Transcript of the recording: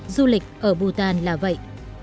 du lịch ở bhutan là vậy